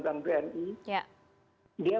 bank bni dia